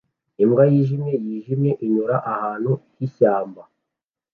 Imbwa yijimye yijimye inyura ahantu h'ishyamba